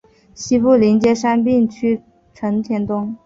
西部邻接杉并区成田东。